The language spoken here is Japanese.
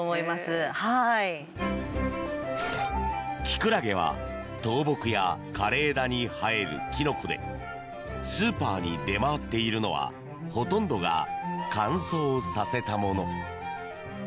キクラゲは倒木や枯れ枝に生えるキノコでスーパーに出回っているのはほとんどが乾燥させたもの。